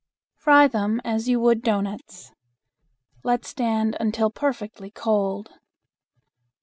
Fry them as you would doughnuts. Let stand until perfectly cold.